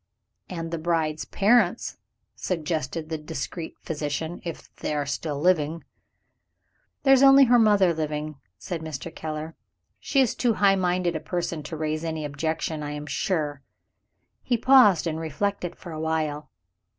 "And the bride's parents," suggested the discreet physician, "if they are still living." "There is only her mother living," said Mr. Keller. "She is too high minded a person to raise any objection, I am sure." He paused, and reflected for awhile.